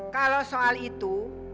kalau soal itu